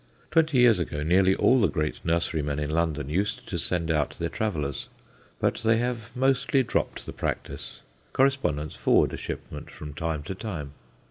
Twenty years ago, nearly all the great nurserymen in London used to send out their travellers; but they have mostly dropped the practice. Correspondents forward a shipment from time to time.